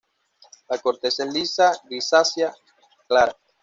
La corteza es lisa, grisácea clara.